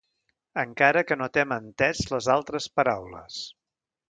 Encara que no t’hem entés les altres paraules.